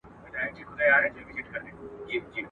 پرون مُلا وو کتاب پرانیستی.